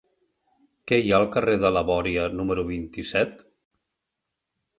Què hi ha al carrer de la Bòria número vint-i-set?